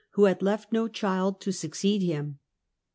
who had left no child to succeed him.